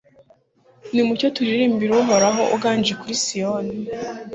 nimucyo turirimbire uhoraho, uganje kuri siyoni